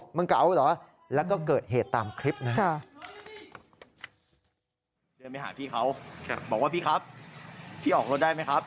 มึงกะเอาหรอแล้วก็เกิดเหตุตามคลิปนะ